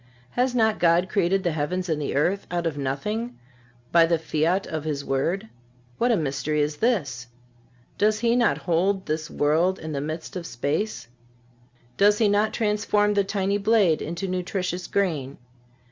Has not God created the heavens and the earth out of nothing by the fiat of His word? What a mystery is this! Does He not hold this world in the midst of space? Does He not transform the tiny blade into nutritious grain?